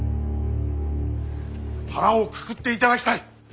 腹をくくっていただきたい。